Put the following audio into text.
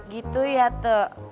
gitu ya te